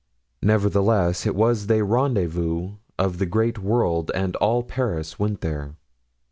Nevertheless, it was the rendezvous of the great world and all Paris went there.